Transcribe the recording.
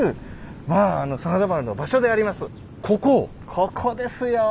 ここですよ！